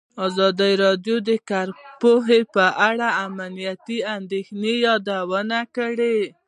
ازادي راډیو د کرهنه په اړه د امنیتي اندېښنو یادونه کړې.